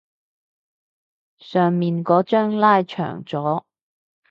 上面嗰張拉長咗